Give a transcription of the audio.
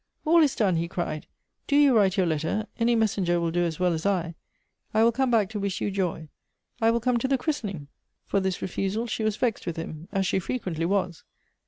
"All is done," he cried; "do you write your letter — any messenger will do as well as I — I will come back to wish you joy. I will come to the christening 1 " For this refusal she was vexed with him — as she frequently was.